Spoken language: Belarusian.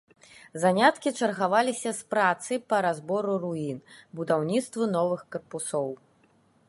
Заняткі чаргаваліся з працай па разбору руін, будаўніцтву новых карпусоў.